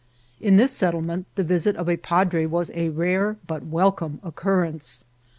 In this settlement, the visit of a padre was a rare but welcome occurrence.